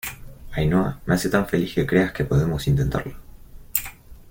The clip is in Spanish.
Ainhoa, me hace tan feliz que creas que podemos intentarlo.